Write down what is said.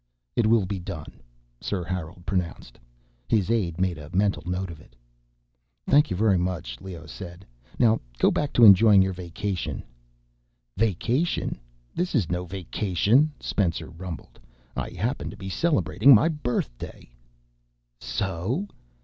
"It will be done." Sir Harold pronounced. His aide made a mental note of it. "Thank you very much," Leoh said. "Now, go back to enjoying your vacation." "Vacation? This is no vacation," Spencer rumbled. "I happen to be celebrating my birthday." "So?